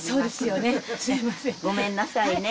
ごめんなさいね。